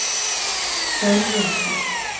سامي يمشي.